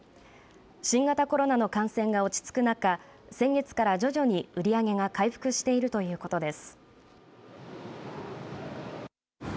新型コロナの感染が落ち着く中先月から徐々に売り上げが回復しているということです。